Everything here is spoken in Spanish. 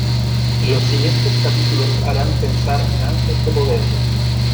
Los siguientes capítulos harán pensar en ansias de poder.